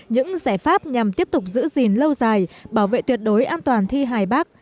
những giải pháp nhằm tiếp tục giữ gìn lâu dài bảo vệ tuyệt đối an toàn thi hài bác